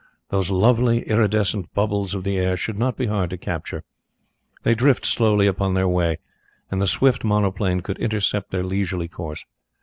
Those lovely iridescent bubbles of the air should not be hard to capture. They drift slowly upon their way, and the swift monoplane could intercept their leisurely course.